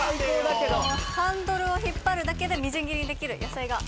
ハンドルを引っ張るだけでみじん切りにできる野菜が。